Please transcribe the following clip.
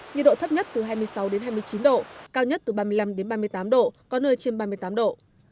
nhiệt độ thấp nhất từ hai mươi sáu hai mươi chín độ cao nhất từ ba mươi năm ba mươi tám độ có nơi trên ba mươi tám độ